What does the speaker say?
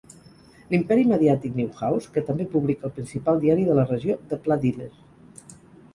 L'imperi mediàtic Newhouse, que també publica el principal diari de la regió "The Pla Dealer."